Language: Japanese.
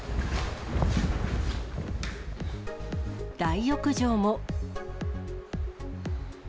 大浴場も。